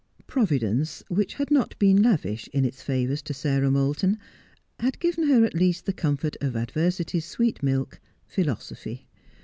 Providence, which had not been lavish in its favours to Sarah Moulton, had given her at least the comfort of adversity's sweet milk, philosophy.